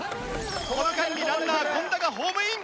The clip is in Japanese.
この間にランナー権田がホームイン。